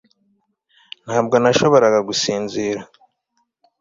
Ntabwo nashoboraga gusinzira